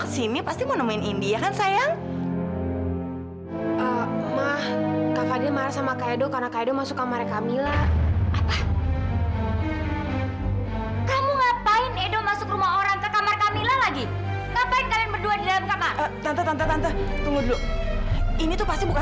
sampai jumpa di video selanjutnya